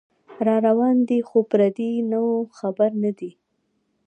راروان دی خو پردې نو خبر نه دی